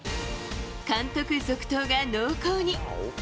監督続投が濃厚に。